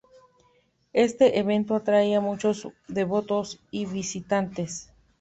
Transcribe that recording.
Este evento atrae a muchos devotos y visitantes.